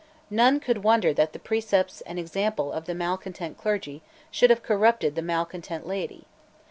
None could wonder that the precepts and example of the malecontent clergy should have corrupted the malecontent laity.